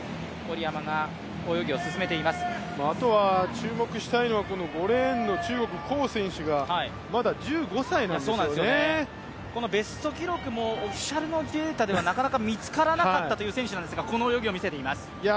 注目したいのは、５レーンの中国の高選手がベスト記録もオフィシャルのデータではなかなか見つからなかったという選手なんですがこの泳ぎを見せています。